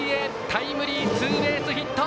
タイムリーツーベースヒット！